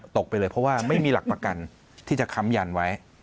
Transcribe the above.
ไปเลยเพราะว่าไม่มีหลักประกันที่จะค้ำยันไว้